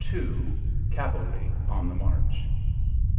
CAVALRY ON THE MARCH.